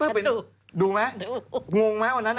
เออเป็นดรดูไหมงงไหมวันนั้น